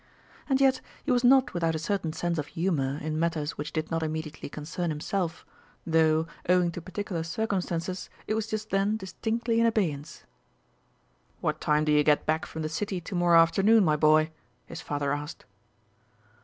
And yet he was not without a certain sense of humour in matters which did not immediately concern himself, though, owing to particular circumstances, it was just then distinctly in abeyance. "What time do you get back from the City to morrow afternoon, my boy?" his father asked.